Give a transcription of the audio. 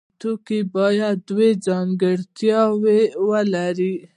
توکی باید دوه ځانګړتیاوې ولري.